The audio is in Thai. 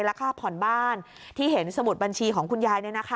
และค่าผ่อนบ้านที่เห็นสมุดบัญชีของคุณยาย